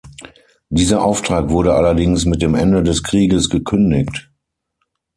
Dieser Auftrag wurde allerdings mit dem Ende des Krieges gekündigt.